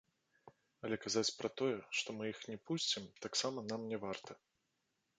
Але казаць пра тое, што мы іх не пусцім, таксама нам не варта.